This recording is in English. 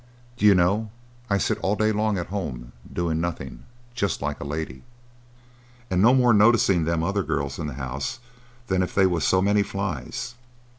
D'you know, I sit all day long at home doing nothing, just like a lady, and no more noticing them other girls in the house than if they was so many flies.